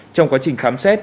trong quá trình khám xét